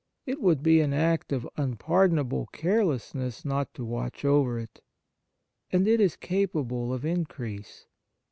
It would be an act of unpardonable carelessness not to watch over it. And it is capable of increase.